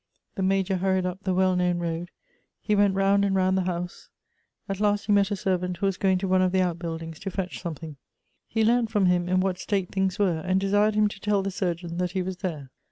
The Major hurried up the well known road ; he went round and round the house ; at last he met a ser vant who was going to one of the out buildings to fetch something. He learnt from him in what state things were, and desired him to tell the surgeon that he was there.